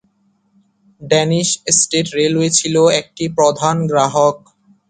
Danish State Railway ছিল একটি প্রধান গ্রাহক।